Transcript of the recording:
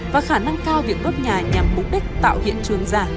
và khả năng cao việc cướp nhà nhằm mục đích tạo hiện trường giả